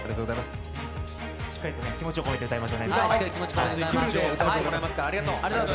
しっかりと気持ちを込めて歌います。